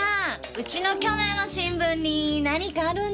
うちの去年の新聞に何かあるんですかあ？